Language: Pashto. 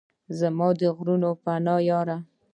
زما د غرونو پناه یاره!